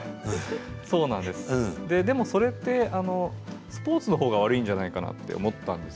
でもそれってスポーツのほうが悪いんじゃないかなと思ったんです。